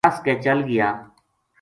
نَس کے چل گیا